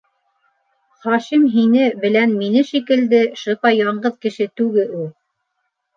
Хашим һине белән мине шикелде шыпа яңғыҙ кеше түге у...